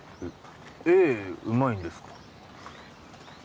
絵うまいんですか？